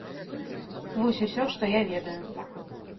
Вось усё, што я ведаю.